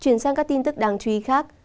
chuyển sang các tin tức đáng chú ý khác